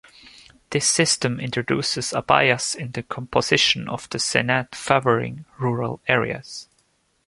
This system introduces a bias in the composition of the Senate favoring rural areas.